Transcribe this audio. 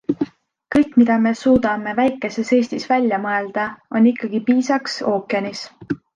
Kõik, mida me suudame väikeses Eestis välja mõelda, on ikkagi piisaks ookeanis.